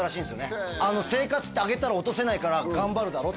「生活って上げたら落とせないから頑張るだろ」